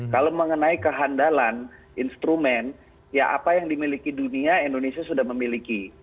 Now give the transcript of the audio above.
kalau mengenai kehandalan instrumen ya apa yang dimiliki dunia indonesia sudah memiliki